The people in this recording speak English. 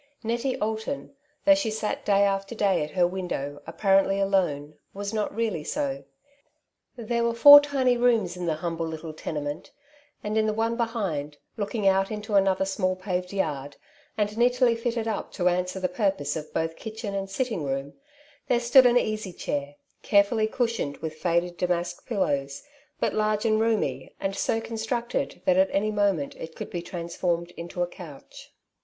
Nettie Alton, though she sat day after day at her window apparently alone, was not really so. There were four tiny rooms in the humble little tenement, and in the' one behind, looking out into another small paved yard, and neatly fitted up to answer the purpose of both kitchen and sitting room, there stood an easy chair, carefully cushioned with faded damask pillows, but large and roomy, and so con structed that at any moment it could be transformed The little House in tfte back Street. g into a couch.